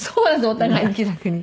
お互いに気楽に。